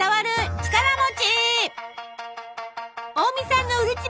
力持ち！